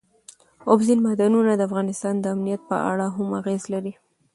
اوبزین معدنونه د افغانستان د امنیت په اړه هم اغېز لري.